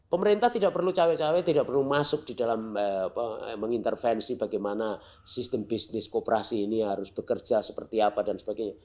pemerintah tidak perlu cawe cawe tidak perlu masuk di dalam mengintervensi bagaimana sistem bisnis kooperasi ini harus bekerja seperti apa dan sebagainya